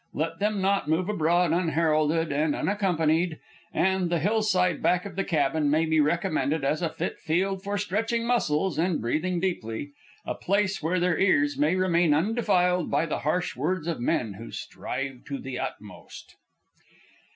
Let them not move abroad unheralded and unaccompanied; and the hillside back of the cabin may be recommended as a fit field for stretching muscles and breathing deeply, a place where their ears may remain undefiled by the harsh words of men who strive to the utmost.